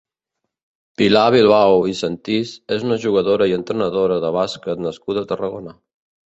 Pilar Bilbao i Sentís és una jugadora i entrenadora de bàsquet nascuda a Tarragona.